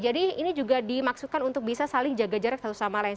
jadi ini juga dimaksudkan untuk bisa saling jaga jarak satu sama lain